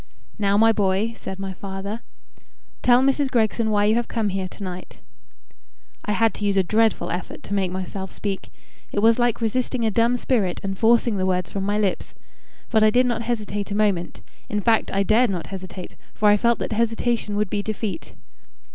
"Now, my boy," said my father, "tell Mrs. Gregson why you have come here to night." I had to use a dreadful effort to make myself speak. It was like resisting a dumb spirit and forcing the words from my lips. But I did not hesitate a moment. In fact, I dared not hesitate, for I felt that hesitation would be defeat.